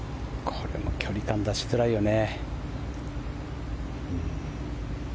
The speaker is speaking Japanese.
これも距離感出しづらいよね。